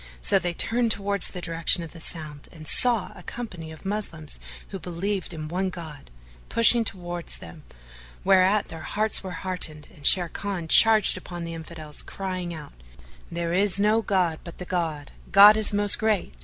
''[FN#434] So they turned towards the direction of the sound and saw a company of Moslems who believed in one God, pushing towards them, whereat their hearts were heartened and Sharrkan charged upon the Infidels crying out, "There is no god but the God! God is most great!